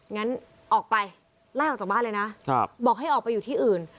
งั้นออกไปไล่ออกจากบ้านเลยนะบอกให้ออกไปอยู่ที่อื่น